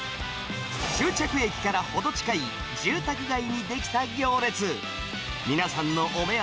終着駅から程近い住宅街に出来た行列。